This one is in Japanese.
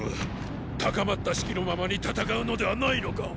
高まった士気のままに戦うのではないのか⁉